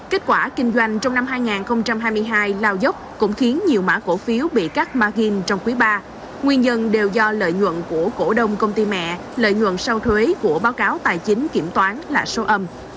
kết quả kinh doanh trong năm hai nghìn hai mươi hai lao dốc cũng khiến nhiều mã cổ phiếu bị cắt margin trong quý ba nguyên nhân đều do lợi nhuận của cổ đông công ty mẹ lợi nhuận sau thuế của báo cáo tài chính kiểm toán là số âm